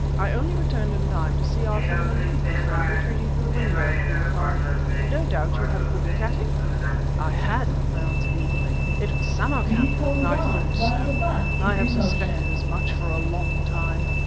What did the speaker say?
"I only returned in time to see our Fenimore Cooper friend retreating through the window," he replied; "but no doubt you had a good look at him?" "I had!" I answered eagerly. "It was Samarkan!" "I thought so! I have suspected as much for a long time."